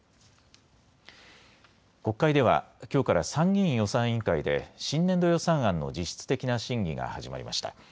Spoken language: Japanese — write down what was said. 国会ではきょうから参議院予算委員会で新年度予算案の実質的な審議が始まりました。